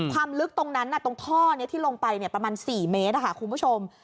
ความลึกตรงนั้นตรงท่อนี้ที่ลงไปประมาณ๔เมตรค่ะคุณผู้ชม